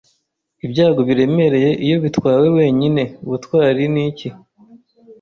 Ibyago biremereye iyo bitwawe wenyine. Ubutwari ni iki?